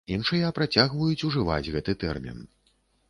Іншыя працягваюць ужываць гэты тэрмін.